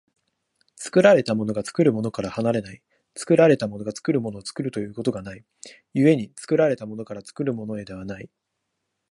作られたものが作るものから離れない、作られたものが作るものを作るということがない、故に作られたものから作るものへではない。